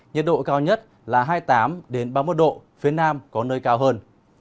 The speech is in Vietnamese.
nhiệt độ cao nhất là hai mươi tám ba mươi một độ phía nam có nơi cao hơn